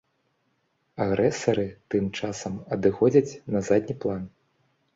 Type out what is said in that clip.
Агрэсары тым часам адыходзяць на задні план.